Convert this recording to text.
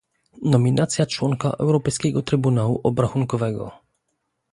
Nominacja członka Europejskiego Trybunału Obrachunkowego